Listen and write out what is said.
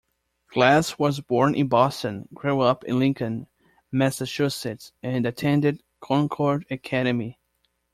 Glass was born in Boston, grew up in Lincoln, Massachusetts, and attended Concord Academy.